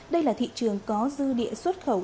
đây là thị trường có dư địa xuất khẩu